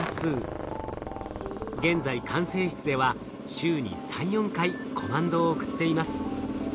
現在管制室では週に３４回コマンドを送っています。